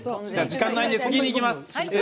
時間ないんで次にいきます。